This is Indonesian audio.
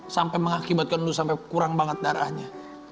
sampai mengakibatkan lu sampai kurang banget darahnya